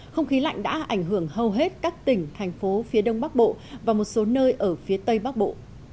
không khí lạnh đã ảnh hưởng hầu hết các tỉnh thành phố phía đông bắc bộ và một số nơi ở phía tây bắc bộ